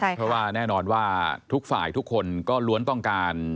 เพราะว่าแน่นอนว่าทุกฝ่ายทุกคนก็ล้วนต้องการ